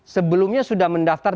sebelumnya sudah mendaftar